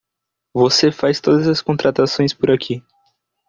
Você faz todas as contratações por aqui.